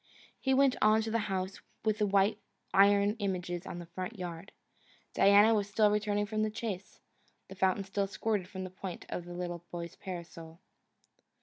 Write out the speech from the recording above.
He went on to the house with the white iron images in the front yard. Diana was still returning from the chase. The fountain still squirted from the point of the little boy's parasol.